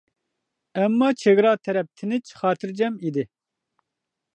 ئەمما، چېگرا تەرەپ تىنچ، خاتىرجەم ئىدى.